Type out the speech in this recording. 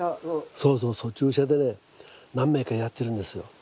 そうそうそう注射でね何名かやってるんですよ。